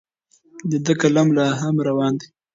د ده قلم لا هم روان دی.